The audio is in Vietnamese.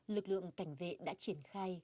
lực lượng cảnh vệ đã triển khai